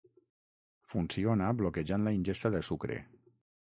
Funciona bloquejant la ingesta de sucre.